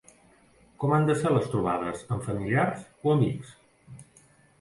Com han de ser les trobades amb familiars o amics?